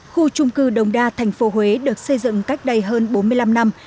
khu trung cư đồng đa thành phố huế được xây dựng cách đây hơn bốn mươi năm năm